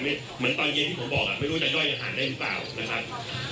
เหมือนตอนเย็นที่ผมบอกไม่รู้จะย่อยจะผ่านได้หรือเปล่านะครับ